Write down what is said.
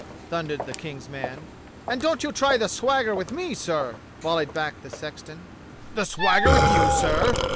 thundered the King's man. "And don't you try the swagger with me, sir ! "volleyed back the sexton. "The swagger with you, sir?"